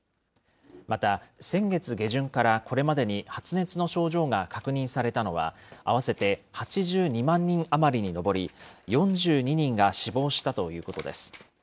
また先月下旬からこれまでに、発熱の症状が確認されたのは、合わせて８２万人余りに上り、４２人が死亡したということです。